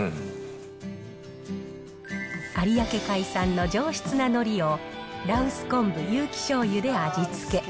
有明海産の上質なのりを、羅臼昆布、有機しょうゆで味付け。